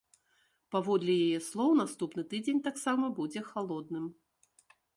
Паводле яе слоў, наступны тыдзень таксама будзе халодным.